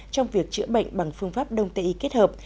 trong việc chữa bệnh bằng phương pháp đông tây y kết hợp